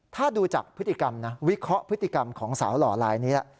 ถ้าดูจากพฤติกรรมนะวิเคราะห์พฤติกรรมของสาวหล่อลายนี้แล้ว